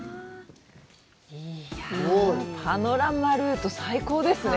パノラマルート、最高ですね。